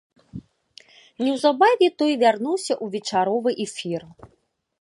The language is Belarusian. Неўзабаве той вярнуўся ў вечаровы эфір.